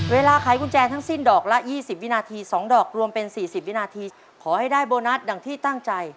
ขายกุญแจทั้งสิ้นดอกละ๒๐วินาที๒ดอกรวมเป็น๔๐วินาทีขอให้ได้โบนัสอย่างที่ตั้งใจ